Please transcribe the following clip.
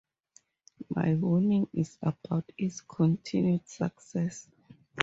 My warning is about its continued success.